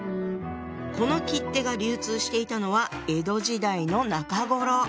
この切手が流通していたのは江戸時代の中頃。